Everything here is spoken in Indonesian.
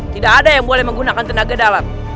tidak ada yang boleh menggunakan tenaga dalam